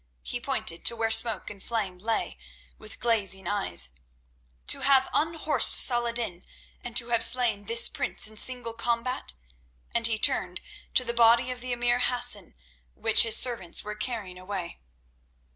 —he pointed to where Smoke and Flame lay with glazing eyes—"to have unhorsed Saladin and to have slain this prince in single combat?" and he turned to the body of the emir Hassan, which his servants were carrying away.